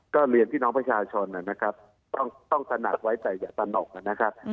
ก็เรียนพี่น้องประชาชนนะครับต้องตระหนักไว้แต่อย่าตนกนะครับ